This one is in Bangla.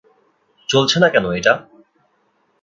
চলছে না কেন এটা?